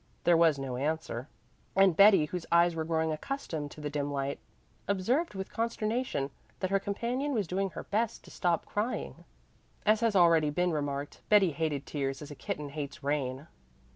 There was no answer, and Betty, whose eyes were growing accustomed to the dim light, observed with consternation that her companion was doing her best to stop crying. As has already been remarked, Betty hated tears as a kitten hates rain.